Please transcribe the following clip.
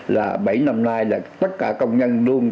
là bảy năm nay là tất cả công nhân luôn